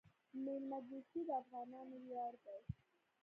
میلمه دوستي د افغانانو ویاړ دی.